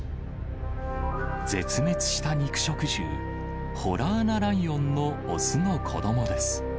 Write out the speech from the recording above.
絶滅した肉食獣、ホラアナライオンの雄の子どもです。